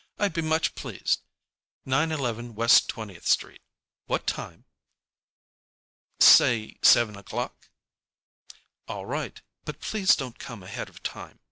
"I'd be much pleased. Nine eleven West Twentieth street. What time?" "Say seven o'clock." "All right, but please don't come ahead of time.